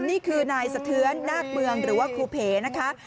นี่คือนายสะเทือนนาคเมืองหรือว่าครูเผนะคะ